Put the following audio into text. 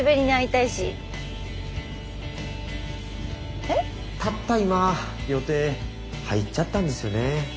たった今予定入っちゃったんですよね。